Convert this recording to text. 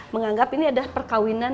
menganggap ini adalah perkawinan